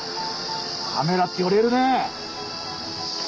カメラって寄れるねえ。